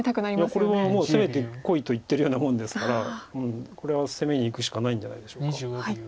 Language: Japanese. これはもう攻めてこいと言ってるようなもんですからこれは攻めにいくしかないんじゃないでしょうか。